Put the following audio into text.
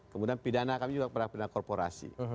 kemudian pidana kami juga kepada pidana korporasi